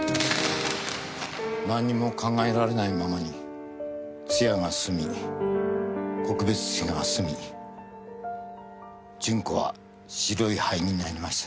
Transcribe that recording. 何にも考えられないままに通夜が済み告別式が済み順子は白い灰になりました。